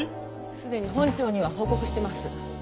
すでに本庁には報告してます。